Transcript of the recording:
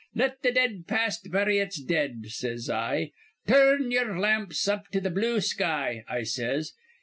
'Let th' dead past bury its dead,' says I. 'Tur rn ye'er lamps up to th' blue sky,' I says.